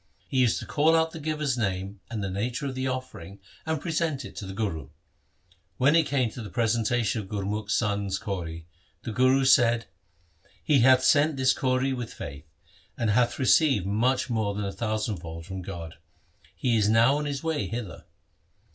He used to call out the giver's name and the nature of the offering and present it to the Guru. When it came to the presentation of Gurumukh's son's kauri, the Guru said, ' He hath sent this kauri with faith, and hath received much more than a thousandfold from God. He is now on his way hither.'